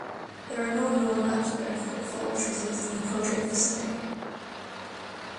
There are no known active earthquake fault traces in the project vicinity.